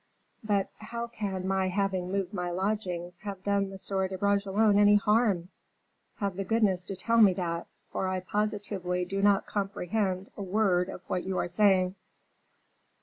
"But how can my having moved my lodgings have done M. de Bragelonne any harm? Have the goodness to tell me that, for I positively do not comprehend a word of what you are saying."